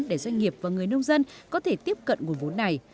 để doanh nghiệp và người nông dân có thể tiếp cận nguồn vốn này